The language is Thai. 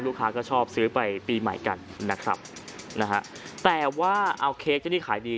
ลูกค้าก็ชอบซื้อไปปีใหม่กันนะครับนะฮะแต่ว่าเอาเค้กที่นี่ขายดี